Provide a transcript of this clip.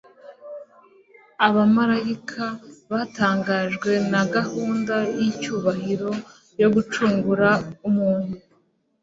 Abamarayika batangajwe na gahunda y'icyubahiro yo gucungura (umuntu)